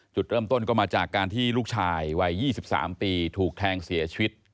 จุดเริ่มต้นก็มาจากการที่ลูกชายวัย๒๓ปีถูกแทงเสียชีวิต